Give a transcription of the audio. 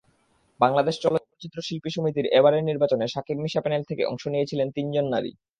বাংলাদেশ চলচ্চিত্র শিল্পী সমিতির এবারের নির্বাচনে শাকিব-মিশা প্যানেল থেকে অংশ নিয়েছিলেন তিনজন নারী।